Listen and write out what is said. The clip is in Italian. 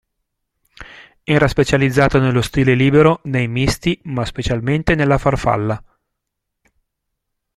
Era specializzato nello stile libero, nei misti, ma specialmente nella farfalla.